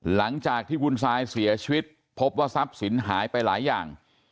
หลังจากที่คุณซายเสียชีวิตพบว่าทรัพย์สินหายไปหลายอย่าง